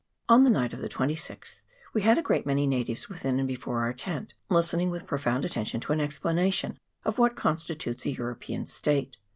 On the night of the 26th we had a great many natives within and before our tent, listening with profound attention to an explanation of what con stitutes a European state.